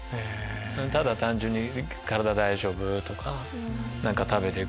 ただ単純に「体大丈夫？」とか「何か食べてく？」とか。